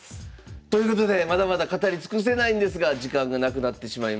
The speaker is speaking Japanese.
ということでまだまだ語り尽くせないんですが時間がなくなってしまいました。